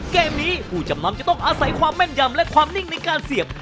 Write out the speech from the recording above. เกมนี้ผู้จำนำจะต้องอาศัยความแม่นยำและความนิ่งในการเสียบ